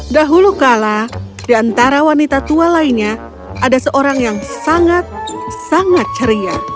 dahulu kala di antara wanita tua lainnya ada seorang yang sangat sangat ceria